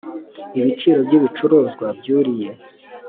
ibiciro by ‘ibicuruzwa byuriye.